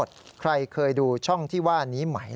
ท่านก็ให้เกียรติผมท่านก็ให้เกียรติผม